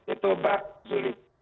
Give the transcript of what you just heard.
itu mbak zulid